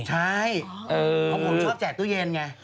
ใช่เพราะผมชอบแจกตู้เย็นไง